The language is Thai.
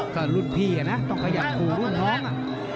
ก็รุ่นพี่อ่ะนะต้องกระยังกรุ่นน้องอ่ะ